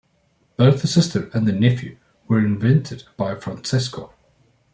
Both the sister and the nephew were invented by Francesco.